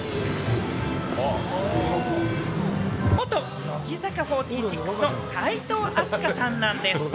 元乃木坂４６の齋藤飛鳥さんなんです。